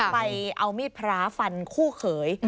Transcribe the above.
ไปเอามีดพระฟันคู่เขย